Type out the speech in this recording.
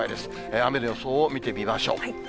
雨の予想を見てみましょう。